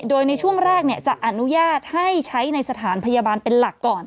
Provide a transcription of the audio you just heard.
โดยในช่วงแรกจะอนุญาตให้ใช้ในสถานพยาบาลเป็นหลักก่อน